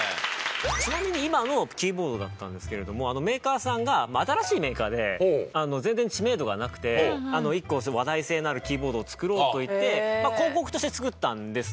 ちなみに今のキーボードだったんですけれどもメーカーさんが新しいメーカーで全然知名度がなくて１個話題性のあるキーボードを作ろうといってまあ広告として作ったんです。